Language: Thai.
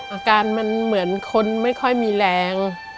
อาการมันเหมือนคนไม่ค่อยมีแรง